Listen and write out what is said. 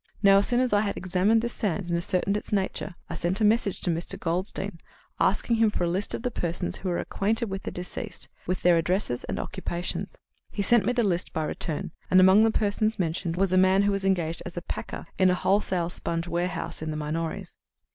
Now, as soon as I had examined this sand and ascertained its nature, I sent a message to Mr. Goldstein asking him for a list of the persons who were acquainted with the deceased, with their addresses and occupations. He sent me the list by return, and among the persons mentioned was a man who was engaged as a packer in a wholesale sponge warehouse in the Minories.